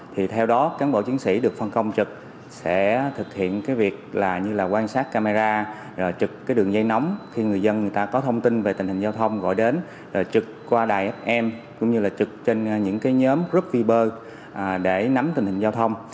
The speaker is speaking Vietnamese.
thì theo đó cán bộ chiến sĩ được phân công trực sẽ thực hiện cái việc là như là quan sát camera trực cái đường dây nóng khi người dân người ta có thông tin về tình hình giao thông gọi đến trực qua đài fm cũng như là trực trên những cái nhóm group viber để nắm tình hình giao thông